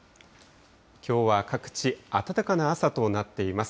きょうは各地、暖かな朝となっています。